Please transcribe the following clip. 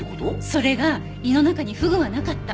それが胃の中にフグはなかった。